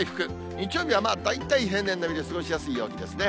日曜日はまあ大体平年並みで過ごしやすい陽気ですね。